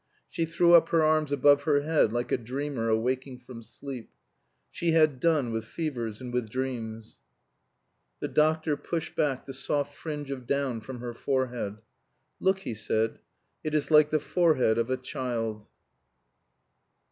She threw up her arms above her head like a dreamer awaking from sleep. She had done with fevers and with dreams. The doctor pushed back the soft fringe of down from her forehead. "Look," he said, "it is like the forehead of a child."